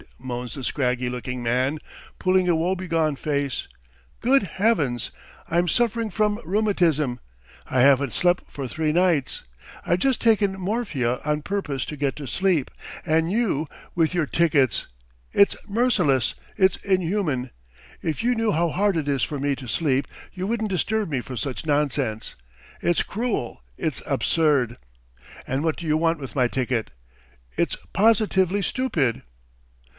moans the scraggy looking man, pulling a woebegone face. "Good Heavens! I'm suffering from rheumatism. ... I haven't slept for three nights! I've just taken morphia on purpose to get to sleep, and you ... with your tickets! It's merciless, it's inhuman! If you knew how hard it is for me to sleep you wouldn't disturb me for such nonsense. ... It's cruel, it's absurd! And what do you want with my ticket! It's positively stupid!"